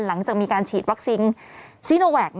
หลังจากมีการฉีดวัคซีนซีโนแวค